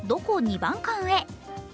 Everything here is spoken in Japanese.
弐番館へ。